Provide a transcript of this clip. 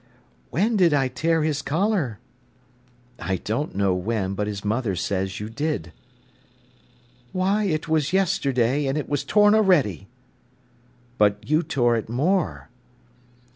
"When did I tear his collar?" "I don't know when, but his mother says you did." "Why—it was yesterday—an' it was torn a'ready." "But you tore it more."